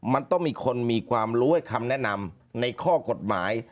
มันต้องมีคนมีความรู้ให้คำแนะนำในข้อกฎหมาย